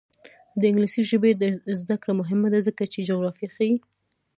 د انګلیسي ژبې زده کړه مهمه ده ځکه چې جغرافیه ښيي.